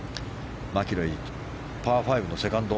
マキロイ、パー５のセカンド。